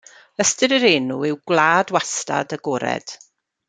Ystyr yr enw yw gwlad wastad agored.